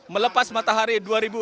melepas matahari dua ribu empat belas